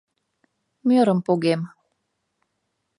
Мӧрым погем.